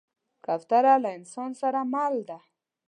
کوتره له انسان سره مل ده.